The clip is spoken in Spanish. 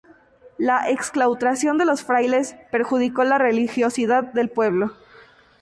La exclaustración de los frailes perjudicó la religiosidad del pueblo.